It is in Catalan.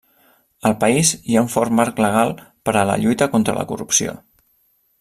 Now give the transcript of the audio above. Al país hi ha un fort marc legal per a la lluita contra la corrupció.